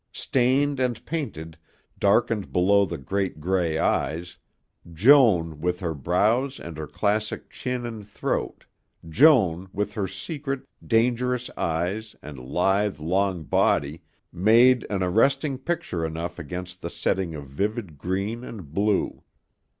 Stained and painted, darkened below the great gray eyes, Joan with her brows and her classic chin and throat, Joan with her secret, dangerous eyes and lithe, long body, made an arresting picture enough against the setting of vivid green and blue.